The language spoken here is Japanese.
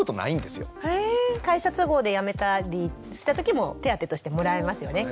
会社都合で辞めたりした時も手当としてもらえますよね。